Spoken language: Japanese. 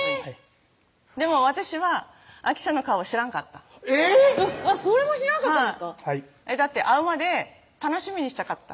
でも私はあきちゃんの顔を知らんかったそれも知らなかったんですかはいだって会うまで楽しみにしちゃかった